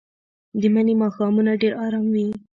د مني ماښامونه ډېر ارام وي